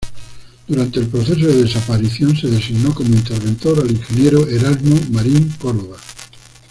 Durante el proceso de desaparición, se designó como interventor al Ing. Erasmo Marín Córdova.